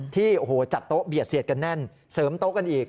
ที่โอ้โหจัดโต๊ะเบียดเสียดกันแน่นเสริมโต๊ะกันอีก